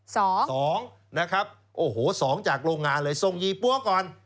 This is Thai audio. สองสองนะครับโอ้โหสองจากโรงงานเลยส่งยี่ปั๊วก่อน